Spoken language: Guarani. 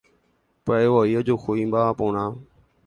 Pya'evoi ojuhu imba'aporã.